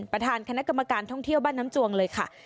ประธานคณะกรรมการท่องเที่ยวบ้านน้ำจวงเลยค่ะ